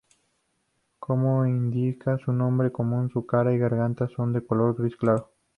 Como indica su nombre común su cara y garganta son de color gris claro.